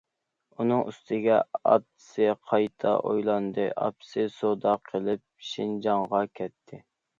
ئۇنىڭ ئۈستىگە، ئاتىسى قايتا ئۆيلەندى، ئاپىسى سودا قىلىپ شىنجاڭغا كەتتى.